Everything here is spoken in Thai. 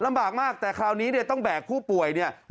ลำบากมากแต่คราวนี้เนี่ยต้องแบกผู้ป่วยเนี่ย